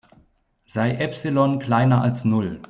Sei Epsilon kleiner als Null.